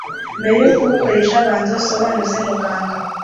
Mbere yo kuwukoresha banza usobanuze muganga